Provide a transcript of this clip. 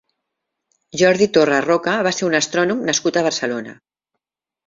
Jordi Torra Roca va ser un astrònom nascut a Barcelona.